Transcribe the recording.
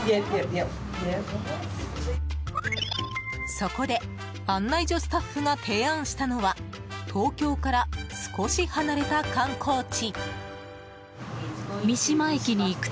そこで案内所スタッフが提案したのは東京から少し離れた観光地。